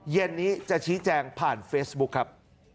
เย็นนี้จะชี้แจงผ่านเฟซบุ๊คครับ